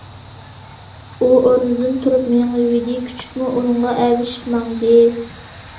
ئۇ ئورنىدىن تۇرۇپ مېڭىۋىدى، كۈچۈكمۇ ئۇنىڭغا ئەگىشىپ ماڭدى.